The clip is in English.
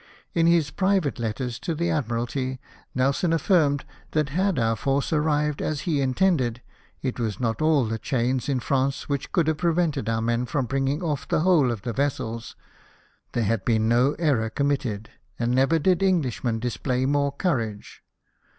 In his private letters to the Admiralty, Nelson affirmed that had our force arrived as he intended, it was not all the chains in France which could have prevented our men from bringing off the whole of the vessels. There had been no error conunitted, and never did Englishmen display more courage.